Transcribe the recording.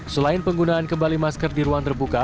selain penggunaan kembali masker di ruang terbuka